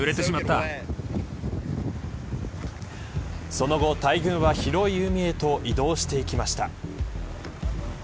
その後、大群は広い海へと移動してきました。